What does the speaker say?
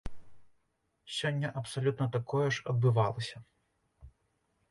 Сёння абсалютна такое ж адбывалася.